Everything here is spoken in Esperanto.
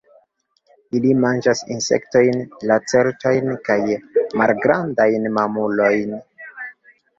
Ili manĝas insektojn, lacertojn kaj malgrandajn mamulojn.